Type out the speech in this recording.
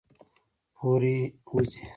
پورې ، وځي